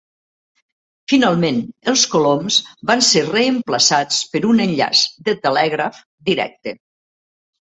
Finalment els coloms van ser reemplaçats per un enllaç de telègraf directe.